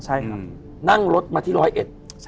ใช่ครับ